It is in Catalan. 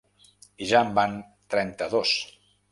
I ja en van trenta-dos.